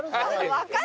分かる？